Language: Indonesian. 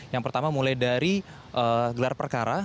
yang pertama mulai dari gelar perkara